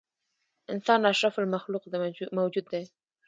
انسان اشرف المخلوق موجود دی.